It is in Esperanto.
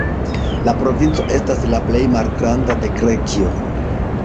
La provinco estas la plej malgranda de Grekio.